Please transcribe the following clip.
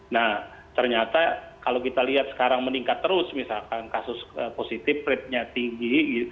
nah ternyata kalau kita lihat sekarang meningkat terus misalkan kasus positif ratenya tinggi